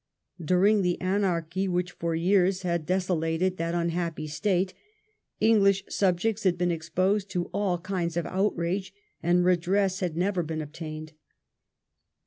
During the anarchy which for years had desolated that unhappy State, English subjects had been exposed to all kinds of outrage, and redress had never been obtained.